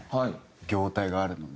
業態があるので。